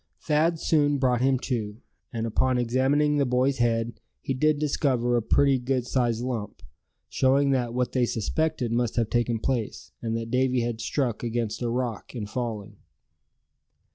Thad soon brought him to; and upon examining the boy's head he did discover a pretty good sized lump, showing that what they suspected must have taken place; and that Davy had struck against a rock in falling.